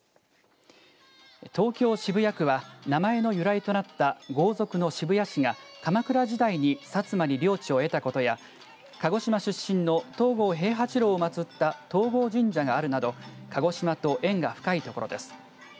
東京、渋谷区は名前の由来となった豪族の渋谷氏が鎌倉時代に薩摩に領地を得たことや鹿児島出身の東郷平八郎をまつった東郷神社があるなど鹿児島と縁が深い所です。